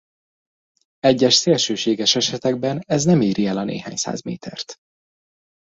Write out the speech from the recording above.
Egyes szélsőséges esetekben ez nem éri el a néhány száz métert.